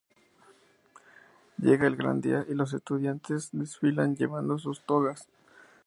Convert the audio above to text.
Llega el gran día y los estudiantes desfilan llevando sus togas.